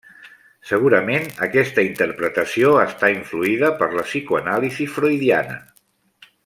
Segurament, aquesta interpretació està influïda per la psicoanàlisi freudiana.